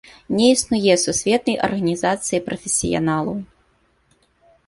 Не існуе сусветнай арганізацыі прафесіяналаў.